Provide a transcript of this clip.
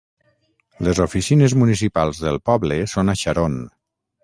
Les oficines municipals del poble són a Sharon.